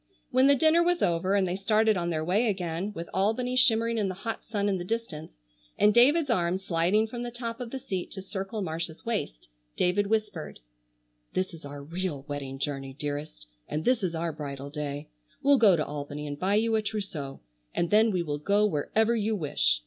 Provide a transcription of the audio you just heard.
When the dinner was over and they started on their way again, with Albany shimmering in the hot sun in the distance, and David's arm sliding from the top of the seat to circle Marcia's waist, David whispered: "This is our real wedding journey, dearest, and this is our bridal day. We'll go to Albany and buy you a trousseau, and then we will go wherever you wish.